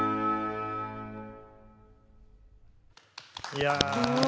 いや。